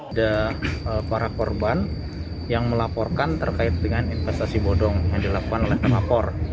ada para korban yang melaporkan terkait dengan investasi bodong yang dilakukan oleh pelapor